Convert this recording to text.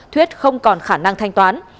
thuyết không còn khả năng thanh toán